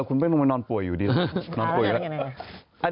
เออคุณเบ้นมันนอนป่วยอยู่ดีเลยนอนป่วยอยู่แล้ว